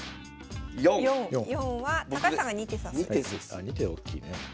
あ２手大きいね。